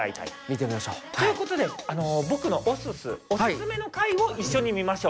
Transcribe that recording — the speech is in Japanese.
見てみましょう。という事で僕のオススオススメの回を一緒に見ましょう。